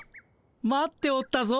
待っておったぞ。